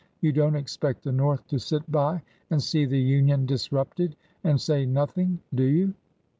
You don't expect the North to sit by and see the Union disrupted and say nothing, do you